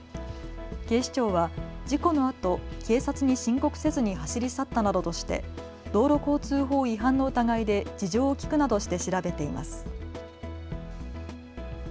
警視庁は事故のあと警察に申告せずに走り去ったなどとして道路交通法違反の疑いで事情を聴くなどして調べています。